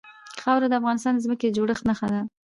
خاوره د افغانستان د ځمکې د جوړښت نښه ده.